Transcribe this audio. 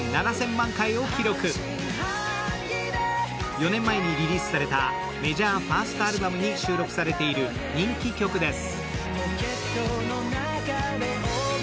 ４年前にリリースされたメジャーファーストアルバムに収録されている人気曲です。